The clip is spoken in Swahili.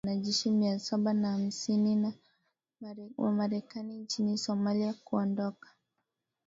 kiasi cha wanajeshi mia saba na hamsini wa Marekani nchini Somalia kuondoka